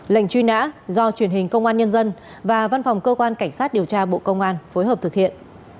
lệnh truy nã do truyền hình công an nhân dân và văn phòng cơ quan cảnh sát điều tra bộ công an phối hợp thực hiện